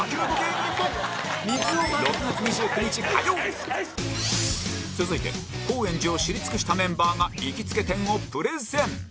更に続いて高円寺を知り尽くしたメンバーが行きつけ店をプレゼン